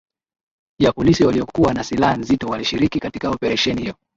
ya polisi waliokuwa na silaha nzito walishiriki katika operesheni hiyo